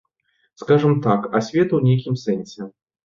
Скажам так, асвету ў нейкім сэнсе.